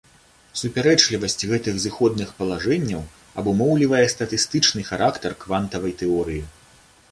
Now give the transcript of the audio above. Супярэчлівасць гэтых зыходных палажэнняў абумоўлівае статыстычны характар квантавай тэорыі.